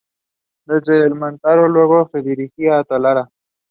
He was elected to the National Assembly.